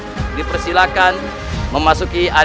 untuk pelanggan danyoutuber